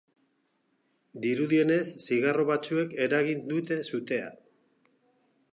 Dirudienez, zigarro batzuek eragin dute sutea.